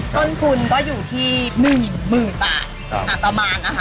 ต้นคุณก็อยู่ที่๑๐๐๐๐บาทประมาณ